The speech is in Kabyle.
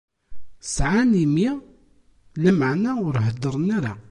Sɛan imi, lameɛna ur heddren ara.